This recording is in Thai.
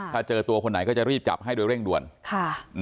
ถ้าเจอตัวคนไหนก็จะรีบจับให้โดยเร่งด่วนค่ะ